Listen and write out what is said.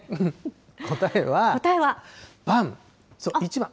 答えは、ばん、そう、１番。